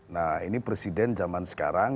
nah ini presiden zaman sekarang